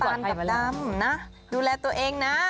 วันกับดำนะดูแลตัวเองนะ